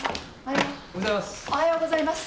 おはようございます。